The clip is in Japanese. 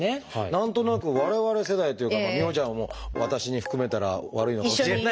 何となく我々世代というか美帆ちゃんを「私」に含めたら悪いのかもしれないけど。